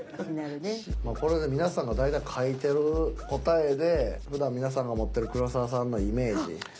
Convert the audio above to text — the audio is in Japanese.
まあこれで皆さんが大体書いてる答えで普段皆さんが持ってる黒沢さんのイメージ。